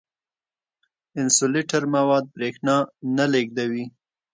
انسولټر مواد برېښنا نه لیږدوي.